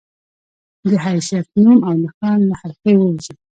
د حيثيت، نوم او نښان له حلقې ووځي